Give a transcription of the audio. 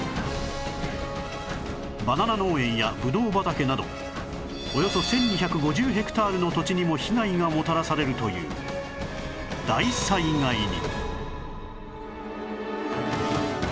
バナナ農園やブドウ畑などおよそ１２５０ヘクタールの土地にも被害がもたらされるという大災害に